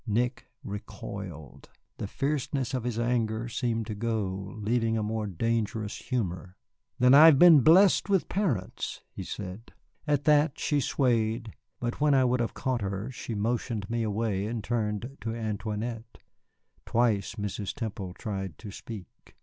Nick recoiled. The fierceness of his anger seemed to go, leaving a more dangerous humor. "Then I have been blessed with parents," he said. At that she swayed, but when I would have caught her she motioned me away and turned to Antoinette. Twice Mrs. Temple tried to speak.